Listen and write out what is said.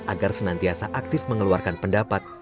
agar senantiasa aktif mengeluarkan pendapat